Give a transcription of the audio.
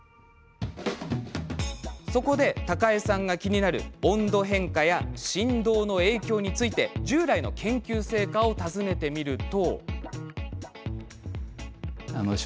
そこで、たかえさんがキニナル温度変化や振動の影響について従来の研究成果を尋ねてみると。